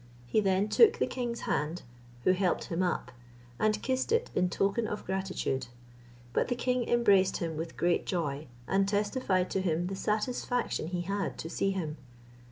He then took the king's hand, who helped him up, and kissed it in token of gratitude; but the king embraced him with great joy, and testified to him the satisfaction he had to see him.